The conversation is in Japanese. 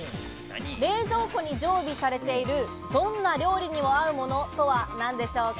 冷蔵庫に常備されているどんな料理にも合うものとは何でしょうか？